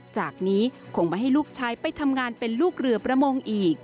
จากนี้คงไม่ให้ลูกชายไปทำงานเป็นลูกเรือประมงอีก